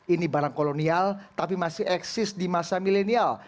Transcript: ini barang kolonial tapi masih eksis di masa milenial